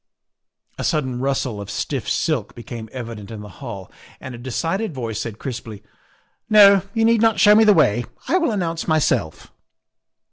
A sudden rustle of stiff silk became evident in the hall and a decided voice said crisply: '' No, you need not show me the way. I will announce myself.